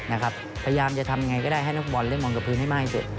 พยายามจะทำยังไงก็ได้ให้นักฟุตบอลเล่นมองกับพื้นให้มากที่สุด